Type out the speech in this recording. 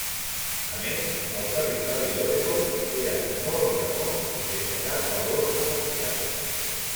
A més, el Territori d'Oregon eren molt remots i sense cap valor comercial.